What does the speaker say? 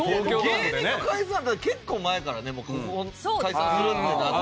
芸人の解散結構前からねもう解散するってなって。